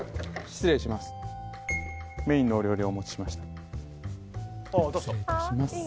失礼いたします